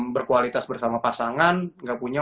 berkualitas bersama pasangan gak punya